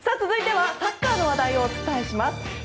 続いてはサッカーの話題をお伝えします。